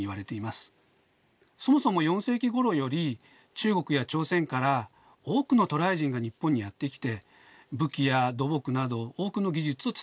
そもそも４世紀ごろより中国や朝鮮から多くの渡来人が日本にやって来て武器や土木など多くの技術を伝えていました。